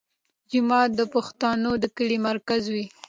جومات د پښتنو د کلي مرکز وي.